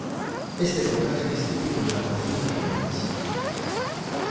Este potaje es típico de la cocina jienense.